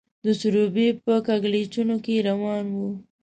د سروبي په کږلېچونو کې روان وو.